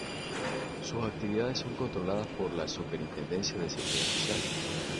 Sus actividades son controladas por la Superintendencia de Seguridad Social.